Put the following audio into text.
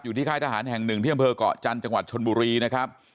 อยู่ที่ค่ายทหารแห่ง๑เที่ยมเผอกเกาะจันทร์จังหวัดชนบุรีนะครับ